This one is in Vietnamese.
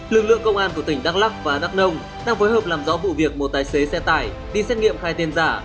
lực lượng công an của tỉnh đắk lắc và đắk nông đang phối hợp làm rõ vụ việc một tài xế xe tải đi xét nghiệm khai tên giả